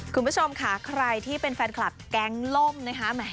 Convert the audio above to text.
คุณผู้ชมค่ะใครที่เป็นแฟนคลับแก๊งล่มนะคะ